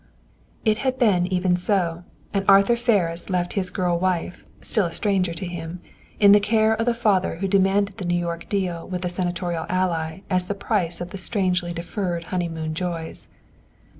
It had been even so, and Arthur Ferris left his girl wife, still a stranger to him, in the care of the father who demanded the New York deal with the senatorial ally as the price of the strangely deferred honeymoon joys.